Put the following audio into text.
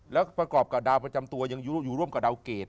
แล้วประกอบกับดาวประจำตัวยังอยู่ร่วมกับดาวเกรด